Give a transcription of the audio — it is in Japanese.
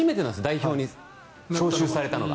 代表に招集されたのが。